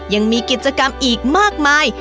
ยังมีกิจกรรมอีกมากมาย